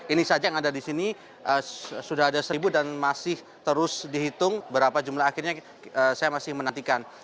ini saja yang ada di sini sudah ada seribu dan masih terus dihitung berapa jumlah akhirnya saya masih menantikan